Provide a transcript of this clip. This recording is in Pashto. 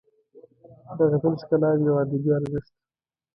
د غزل ښکلاوې او ادبي ارزښت